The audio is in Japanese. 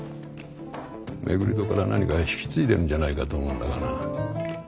廻戸から何か引き継いでるんじゃないかと思うんだがな。